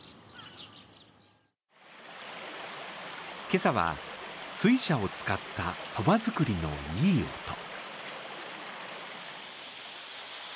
今朝は水車を使ったそば作りのいい音。